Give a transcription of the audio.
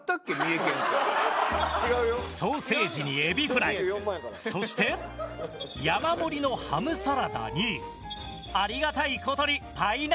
ソーセージにエビフライそして山盛りのハムサラダにありがたい事にパイナップルまで。